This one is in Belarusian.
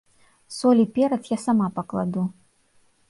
Соль і перац я сама пакладу.